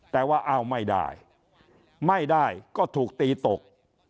แต่ว่าอ้าวไม่ได้ไม่ได้ก็ถูกตีตก